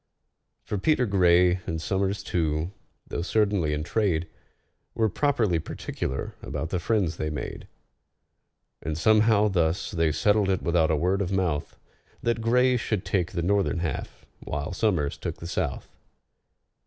For PETER GRAY, and SOMERS too, though certainly in trade, Were properly particular about the friends they made; And somehow thus they settled it without a word of mouth— That GRAY should take the northern half, while SOMERS took the south.